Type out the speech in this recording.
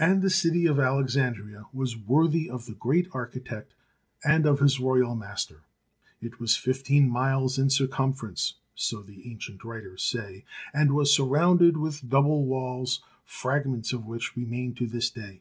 And the city of Alexandria was worthy of the great architect and of his royal master. It was fifteen miles in circumference, so the ancient writers say, and was surrounded with double walls, fragments of which remain to this day.